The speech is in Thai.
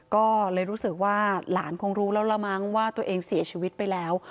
ก็เลยรู้สึกว่าหลานคงรู้แล้วละมั้งว่าตัวเองเสียชีวิตไปแล้ว